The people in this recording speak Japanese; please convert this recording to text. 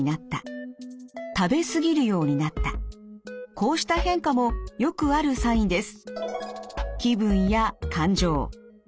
こうした変化もよくあるサインです。